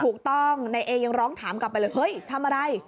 ถูกต้องนายเอยังร้องถามกลับไปเลยเฮ้ยทำอะไร